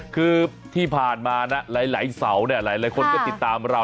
คือที่ผ่านมานะหลายเสาเนี่ยหลายคนก็ติดตามเรา